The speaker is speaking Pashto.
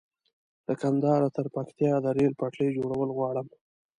له کندهاره تر پکتيا د ريل پټلۍ جوړول غواړم